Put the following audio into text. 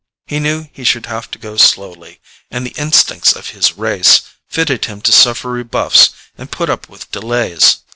He knew he should have to go slowly, and the instincts of his race fitted him to suffer rebuffs and put up with delays.